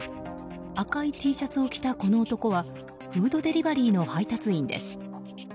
赤いＴシャツを着たこの男はフードデリバリーの配達員です。